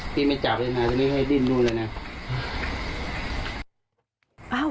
พี่ไม่จับเลยไม่ให้ดึงเลยนะ